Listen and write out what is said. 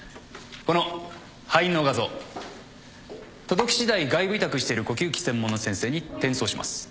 届き次第外部委託している呼吸器専門の先生に転送します。